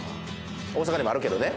大阪にもあるけどね